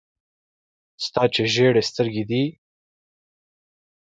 ستا چي ژېري سترګي دې دي .